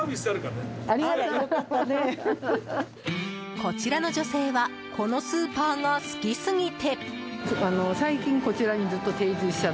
こちらの女性はこのスーパーが好きすぎて。